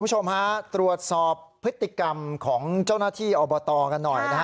คุณผู้ชมฮะตรวจสอบพฤติกรรมของเจ้าหน้าที่อบตกันหน่อยนะฮะ